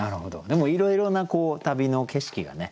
でもいろいろな旅の景色がね。